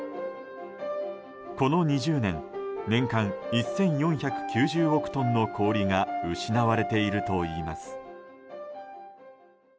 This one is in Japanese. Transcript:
この２０年年間１４９０億トンの氷が失われているといいます。